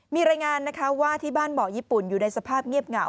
มีรายงานนะคะว่าที่บ้านเบาะญี่ปุ่นอยู่ในสภาพเงียบเหงา